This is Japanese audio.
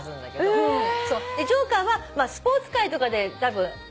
「ジョーカー」はスポーツ界とかできたと思うのね。